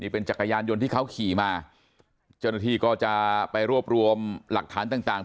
เป็นจักรยานยนต์ที่เขาขี่มาเจ้าหน้าที่ก็จะไปรวบรวมหลักฐานต่างต่าง